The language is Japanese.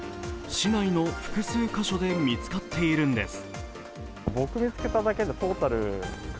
市内の複数箇所で見つかっているんです。